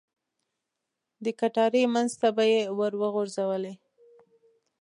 د کټارې منځ ته به یې ور وغوځولې.